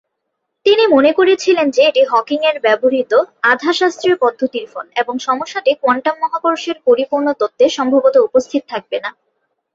তিনি মনে করেছিলেন যে এটি হকিংয়ের ব্যবহৃত আধা-শাস্ত্রীয় পদ্ধতির ফল, এবং সমস্যাটি কোয়ান্টাম মহাকর্ষের পরিপূর্ণ তত্ত্বে সম্ভবত উপস্থিত থাকবে না।